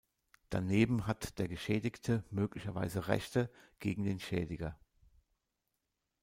Daneben hat der Geschädigte möglicherweise Rechte gegen den Schädiger.